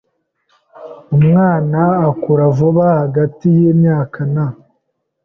Umwana akura vuba hagati yimyaka na .